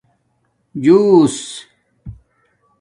جُݹس